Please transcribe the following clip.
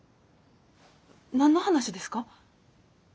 何の話ですか？